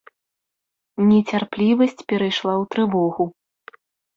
Нецярплівасць перайшла ў трывогу.